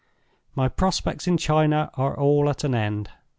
"My prospects in China are all at an end.